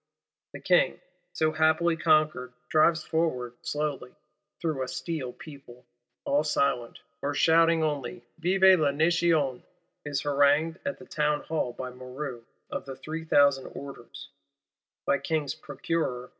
The King, so happily conquered, drives forward, slowly, through a steel people, all silent, or shouting only Vive la Nation; is harangued at the Townhall, by Moreau of the three thousand orders, by King's Procureur M.